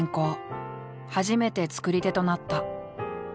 初めて作り手となった。